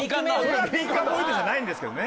それはビンカンポイントじゃないんですけどね。